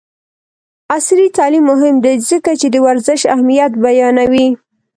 عصري تعلیم مهم دی ځکه چې د ورزش اهمیت بیانوي.